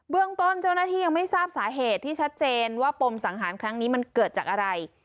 เรื่องต้นเจ้าหน้าที่ยังไม่ทราบสาเหตุที่ชัดเจนว่าปมสังหารครั้งนี้มันเกิดจากอะไร